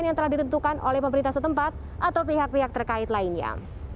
yang telah ditentukan oleh pemerintah setempat atau pihak pihak terkait lainnya